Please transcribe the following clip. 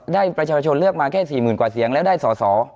ได้ประชาชนเลือกมาแค่๔หมื่นกว่าเสียงแล้วได้สส